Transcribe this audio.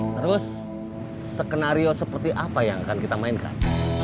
terus skenario seperti apa yang akan kita mainkan